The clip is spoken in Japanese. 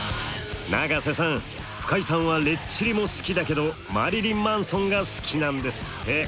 永瀬さん深井さんはレッチリも好きだけどマリリン・マンソンが好きなんですって。